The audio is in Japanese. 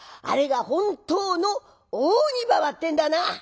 あれが本当の大鬼ばばってえんだな」。